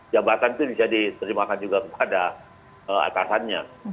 jabatan itu bisa diterima juga pada atasannya